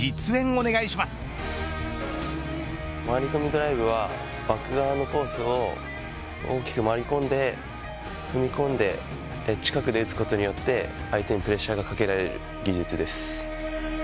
ドライブはバック側のコースを大きく回り込んで踏み込んで近くで打つことによって相手にプレッシャーがかけられる技術です。